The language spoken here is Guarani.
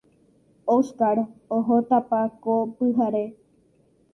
Óscar ohótapa ko pyhare.